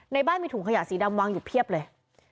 ในบ้านมีถุงขยะสีดำวางอยู่เพียบเลย